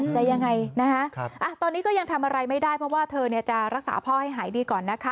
จะยังไงนะคะตอนนี้ก็ยังทำอะไรไม่ได้เพราะว่าเธอจะรักษาพ่อให้หายดีก่อนนะคะ